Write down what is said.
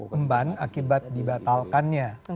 memban akibat dibatalkannya